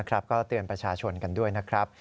ก็เตือนประชาชนกันด้วยนะครับ